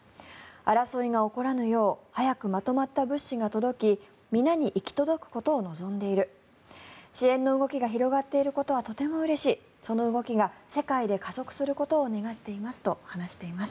争いが起こらぬよう早くまとまった物資が届き皆に行き届くことを望んでいる支援の動きが広がっていることはとてもうれしいその動きが世界で加速することを願っていますと話しています。